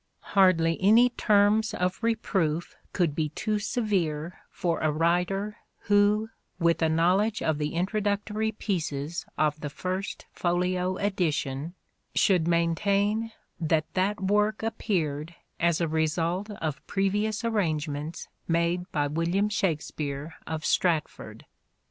Hardly any terms of reproof could be too severe for a writer who with a knowledge of the introductory pieces of the First Folio edition should maintain that that work appeared as a result of previous arrangements made by William Shakspere of Stratford.